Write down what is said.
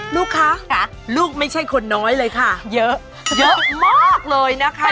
ลูกคะลูกไม่ใช่คนน้อยเลยค่ะเยอะเยอะมากเลยนะคะ